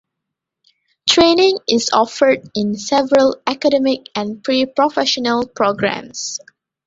Training is offered in several academic and pre-professional programs.